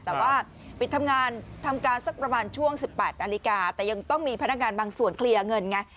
แต่ว่าปิดทำงานทำการสักประมาณช่วง๑๘นาฬิกาแต่ยังต้องมีพนักงานบางส่วนเคลียร์เงินไง